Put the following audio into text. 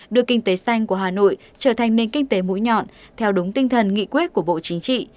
đưa kinh tế xanh của hà nội trở thành nền kinh tế mũi nhọn theo đúng tinh thần nghị quyết của bộ chính trị